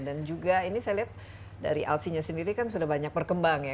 juga ini saya lihat dari alsinya sendiri kan sudah banyak berkembang ya